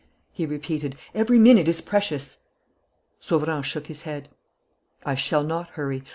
he repeated. "Every minute is precious!" Sauverand shook his head. "I shall not hurry.